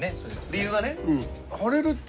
理由はね。